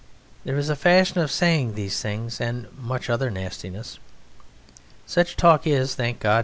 There is a fashion of saying these things, and much other nastiness. Such talk is (thank God!)